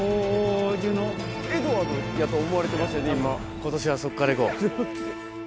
今年はそっから行こう。